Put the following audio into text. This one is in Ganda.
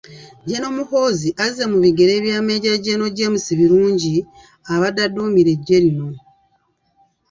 General Muhoozi azze mu bigere bya Meeja General James Birungi abadde aduumira eggye lino.